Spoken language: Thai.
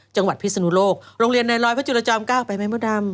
จังหวัดพิศนุโลกโรงเรียนในรอยพระจุรจอม๙ไปไหมมะดาม